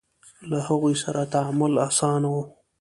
له هغوی سره تعامل اسانه و.